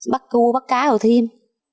bắt cua bắt cá rồi thêm